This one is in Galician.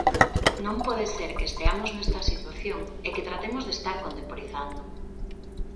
Non pode ser que esteamos nesta situación e que tratemos de estar contemporizando.